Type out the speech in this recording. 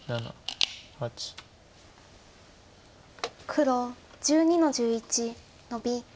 黒１２の十一ノビ。